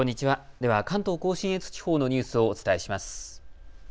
では関東甲信越地方のニュースをお伝えします。